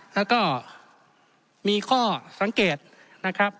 แล้วก็มีข้อสังเกตนะครับ